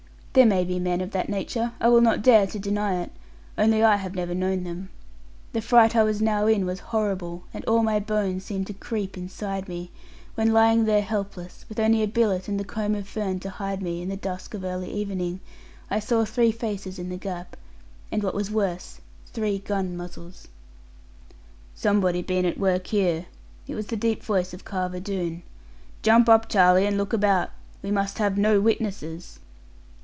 There may be men of that nature I will not dare to deny it; only I have never known them. The fright I was now in was horrible, and all my bones seemed to creep inside me; when lying there helpless, with only a billet and the comb of fern to hide me, in the dusk of early evening, I saw three faces in the gap; and what was worse, three gun muzzles. 'Somebody been at work here ' it was the deep voice of Carver Doone; 'jump up, Charlie, and look about; we must have no witnesses.'